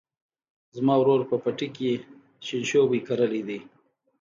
زما ورور په پټي کې شینشوبي کرلي دي.